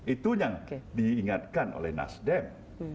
itu yang diingatkan oleh nasdem